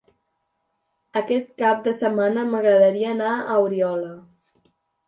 Aquest cap de setmana m'agradaria anar a Oriola.